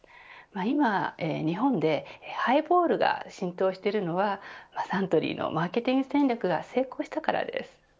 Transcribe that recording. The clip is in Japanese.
今日本でハイボールが浸透しているのはサントリーのマーケティング戦略が成功したからです。